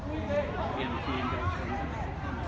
เปลี่ยนทีมเดิมเชิงกัน